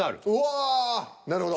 わあなるほど。